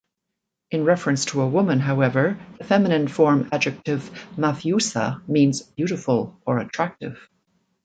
In reference to a woman, however, the feminine-form adjective "mafiusa" means 'beautiful' or 'attractive'.